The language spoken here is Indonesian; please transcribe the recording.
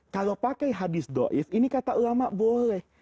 kalau pakai hadis do'if ini kata ulama boleh